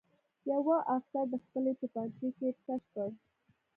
یوه افسر د خپلې توپانچې ګېټ کش کړ